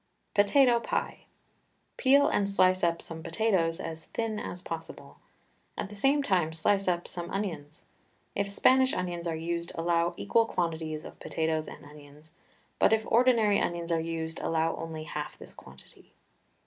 POTATO PIE. Peel and slice up some potatoes as thin as possible. At the same time slice up some onions. If Spanish onions are used allow equal quantities of potatoes and onions, but if ordinary onions are used allow only half this quantity.